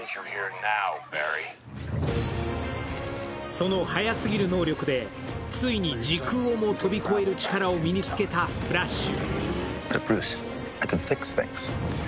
その速すぎる能力でついに時空をも飛び越える能力を身に付けたフラッシュ。